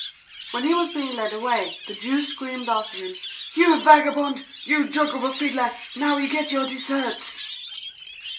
When he was being led away, the Jew screamed after him; 'You vagabond, you dog of a fiddler, now you will get your deserts!'